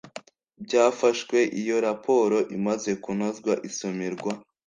byafashwe Iyo raporo imaze kunozwa isomerwa